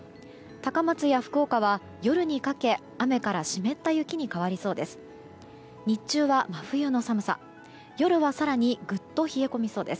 高松や福岡は夜にかけ、雨から湿った雪に変わりそうです。